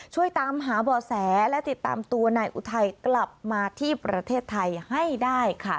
ช่วยตามหาบ่อแสและติดตามตัวนายอุทัยกลับมาที่ประเทศไทยให้ได้ค่ะ